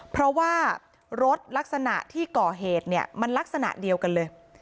เพราะว่ารถลักษณะที่ก่อเหตุเนี่ยมันลักษณะเดียวกันเลย